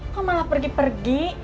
kok malah pergi pergi